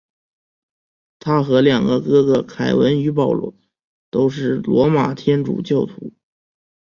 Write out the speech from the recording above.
他和两个哥哥凯文与保罗都是罗马天主教徒。